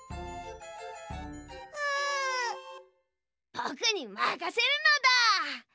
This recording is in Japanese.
ぼくにまかせるのだ！